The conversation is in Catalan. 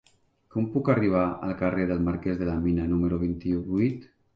Com puc arribar al carrer del Marquès de la Mina número vint-i-vuit?